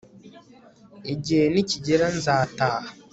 igihe nikigera nzataha